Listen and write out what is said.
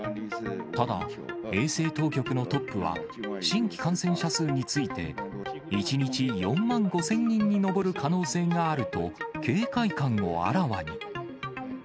ただ、衛生当局のトップは、新規感染者数について、１日４万５０００人に上る可能性があると、警戒感をあらわに。